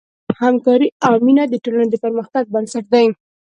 همکاري او مینه د ټولنې د پرمختګ بنسټ دی.